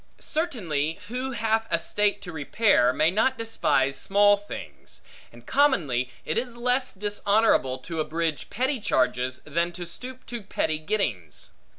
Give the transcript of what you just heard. Certainly, who hath a state to repair, may not despise small things; and commonly it is less dishonorable, to abridge petty charges, than to stoop to petty gettings.